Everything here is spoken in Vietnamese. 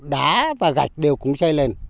đá và gạch đều cũng xây lên